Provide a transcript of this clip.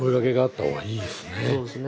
そうですね。